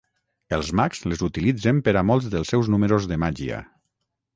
Els mags les utilitzen per a molts dels seus números de màgia